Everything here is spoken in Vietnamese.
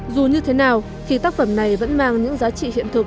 dù như thế nào khi tác phẩm này vẫn mang những giá trị hiện thực